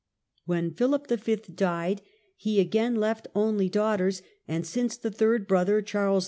When PhiHp V. died he again left only daughters, and since the third brother Charles IV.